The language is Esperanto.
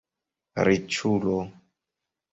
riĉulo